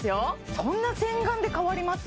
そんな洗顔で変わります？